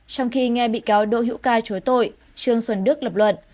trong khi nghe bị cáo đỗ hữu ca chối tội trương xuân đức lập luận